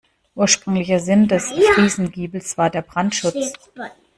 Ursprünglicher Sinn des Friesengiebels war der Brandschutz.